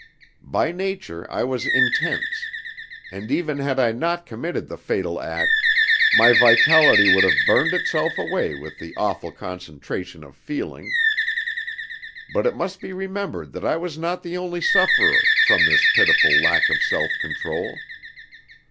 By nature I was intense; and even had I not committed the fatal act, my vitality would have burned itself away with the awful concentration of feeling. But it must be remembered that I was not the only sufferer from this pitiful lack of self control.